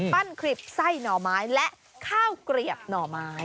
ปั้นขลิบไส้หน่อไม้และข้าวกรีบหน่อไม้